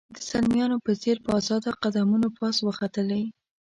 د زلمیانو په څېر په آزاده قدمونو پاس وختلې.